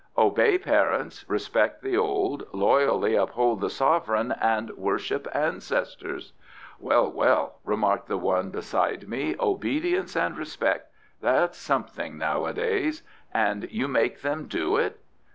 "'Obey parents, respect the old, loyally uphold the sovereign, and worship ancestors.'" "Well, well," remarked the one beside me, "obedience and respect that's something nowadays. And you make them do it?"